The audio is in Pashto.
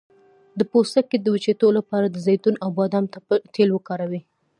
د پوستکي د وچیدو لپاره د زیتون او بادام تېل وکاروئ